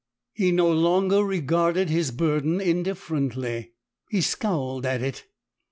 He no longer regarded his burden indifferently he scowled at it.